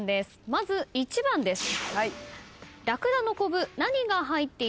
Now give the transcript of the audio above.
まず１番です。